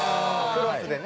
クロスでね。